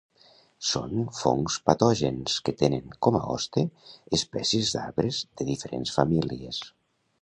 Són fongs patògens que tenen com a hoste espècies d'arbres de diferents famílies.